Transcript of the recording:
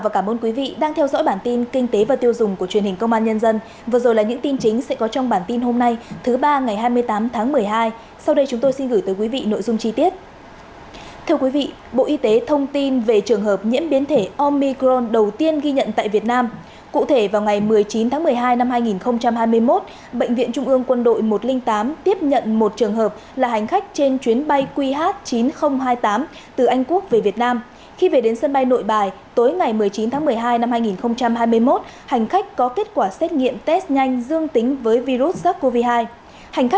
các bạn hãy đăng ký kênh để ủng hộ kênh của chúng mình nhé